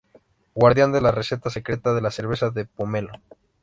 Guardian de la receta secreta de la cerveza de pomelo.